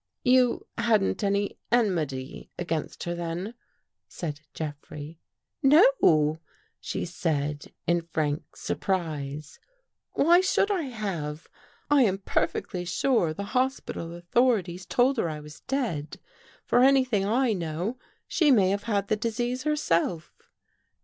"You — hadn't any enmity against her, then?" said Jeffrey. " No," she said in frank surprise. " Why should I have? I am perfectly sure the hospital authorities told her I was dead. For anything I know, she may have had the disease herself."